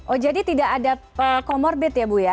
oh jadi tidak ada comorbid ya bu ya